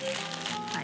はい。